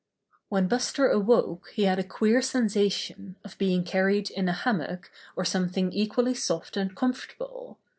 When Buster awoke he had a queer sensa tion of being carried in a hammock or some thing equally soft and comfortable.